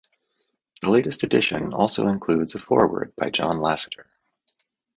The latest edition also includes a foreword by John Lasseter.